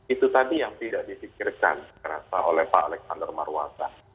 itu tadi yang tidak disikirkan terasa oleh pak alexander marwaza